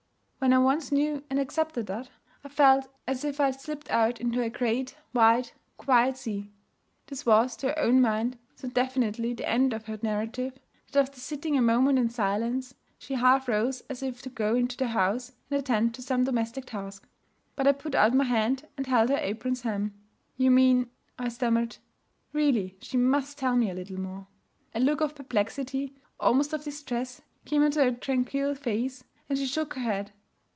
When I once knew and accepted that, I felt as if I'd slipped out into a great, wide, quiet sea.' This was, to her own mind, so definitely the end of her narrative, that, after sitting a moment in silence, she half rose as if to go into the house and attend to some domestic task. But I put out my hand and held her apron's hem. 'You mean ' I stammered. Really, she must tell me a little more! A look of perplexity, almost of distress, came into her tranquil face, and she shook her head.